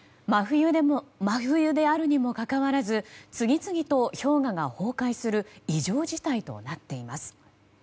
真冬であるにもかかわらず次々と氷河が崩壊する異常事態となっています。